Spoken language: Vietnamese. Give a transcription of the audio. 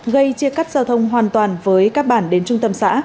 gây chia cắt giao thông hoàn toàn với các bản đến trung tâm xã